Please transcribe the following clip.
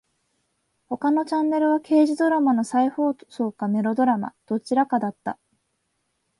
他のチャンネルは刑事ドラマの再放送かメロドラマ。どちらかだった。